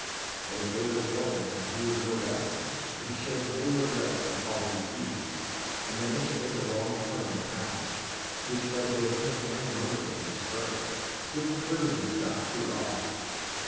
But if they were to blame, he was no less so, for he showed little address in following the fugitives, and managed to take a wrong turn in the passage, which led both him and the myrmidons astray, so that the prisoners got clear off.